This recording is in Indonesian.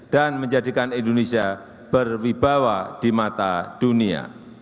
dan menjadikan indonesia berwibawa di mata dunia